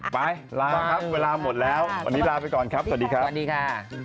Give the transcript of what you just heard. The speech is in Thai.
ไปลาครับเวลาหมดแล้ววันนี้ลาไปก่อนครับสวัสดีครับสวัสดีค่ะ